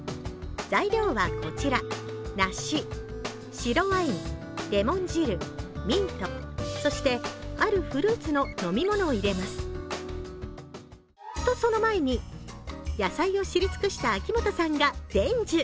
材料はこちら、梨、白ワイン、レモン汁、ミント、そしてあるフルーツの飲み物を入れますと、その前に、野菜を知り尽くした秋元さんが伝授。